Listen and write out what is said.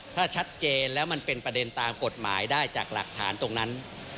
ถ้าชัดเจนแล้วมันเป็นประเด็นตามกฎหมายได้จากหลักฐานตรงนั้น